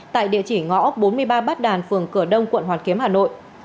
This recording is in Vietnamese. tại địa chỉ ngõ bốn mươi ba bát đàn phường cửa đông quận hoàn kiếm hà nội